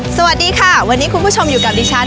สวัสดีค่ะวันนี้คุณผู้ชมอยู่กับดิฉัน